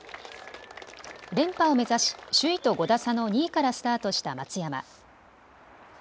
連覇を目指し、首位と５打差の２位からスタートした松山。